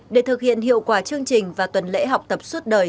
để thực hiện hiệu quả chương trình và tuần lễ học tập suốt đời